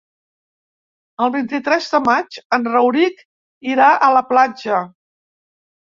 El vint-i-tres de maig en Rauric irà a la platja.